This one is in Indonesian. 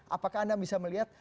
apakah anda bisa melihat